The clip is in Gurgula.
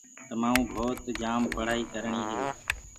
تمآڪوُ ڀوت جآم پڙهآئي ڪرڻي هي۔